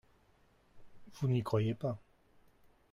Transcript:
Vous n’y croyez pas